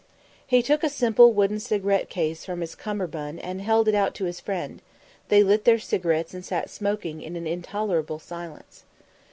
He took a simple wooden cigarette case from his cummerbund and held it out to his friend; they lit their cigarettes and sat smoking in an intolerable silence.